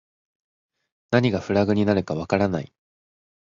何がフラグになるかわからない